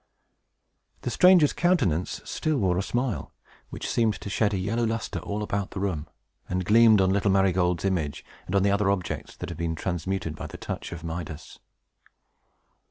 The stranger's countenance still wore a smile, which seemed to shed a yellow lustre all about the room, and gleamed on little Marygold's image, and on the other objects that had been transmuted by the touch of Midas.